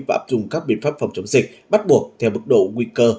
và áp dụng các biện pháp phòng chống dịch bắt buộc theo bực độ nguy cơ